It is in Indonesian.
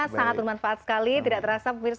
sangat bermanfaat sekali